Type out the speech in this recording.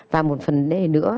và một phần nữa